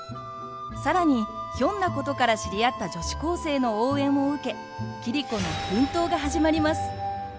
更にひょんなことから知り合った女子高生の応援を受け桐子の奮闘が始まります。